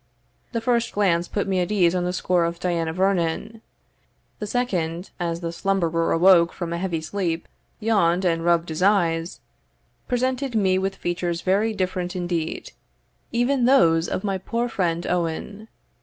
The first glance put me at ease on the score of Diana Vernon; the second, as the slumberer awoke from a heavy sleep, yawned, and rubbed his eyes, presented me with features very different indeed even those of my poor friend Owen.